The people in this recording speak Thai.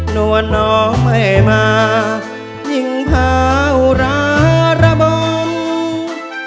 หน่วนนองให้มายิ่งพาอุราระบอง